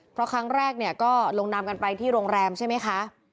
เพราะครั้งแรกเนี่ยก็ลงนามกันไปที่โรงแรมใช่ไหมคะ